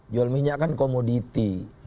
jual minyak kan komoditi